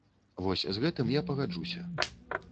Вось з гэтым я пагаджуся.